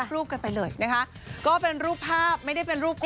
รูปกันไปเลยนะคะก็เป็นรูปภาพไม่ได้เป็นรูปคู่